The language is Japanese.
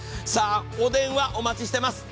お電話お待ちしております。